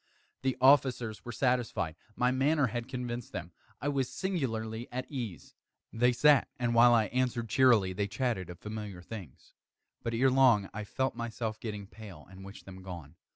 The officers were satisfied. My manner had convinced them. I was singularly at ease. They sat, and while I answered cheerily, they chatted of familiar things. But, ere long, I felt myself getting pale and wished them gone.